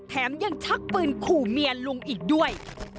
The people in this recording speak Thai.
แถมยังชักปืนขู่เมียลุงอีกด้วย